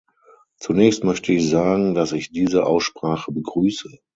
Zunächst möchte ich sagen, dass ich diese Aussprache begrüße.